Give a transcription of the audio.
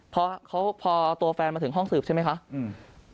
พอเขาพอตัวแฟนมาถึงห้องสืบใช่ไหมคะอืม